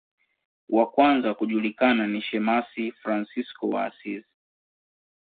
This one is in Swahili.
Wa kwanza kujulikana ni shemasi Fransisko wa Asizi.